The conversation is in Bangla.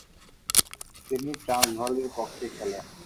তিনি ট্রান্সভালের পক্ষে খেলেন।